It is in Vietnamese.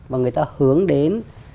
và người ta hướng đến